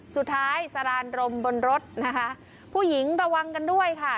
สุดท้ายสรานรมบนรถนะคะผู้หญิงระวังกันด้วยค่ะ